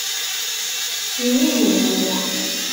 Nnig wul.